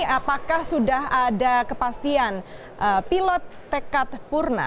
apakah sudah ada kepastian pilot tekad purna